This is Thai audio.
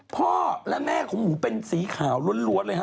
พ่อและแม่ของหมูเป็นสีขาวล้วนเลยฮ